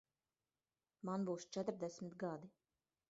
Man būs četrdesmit gadi.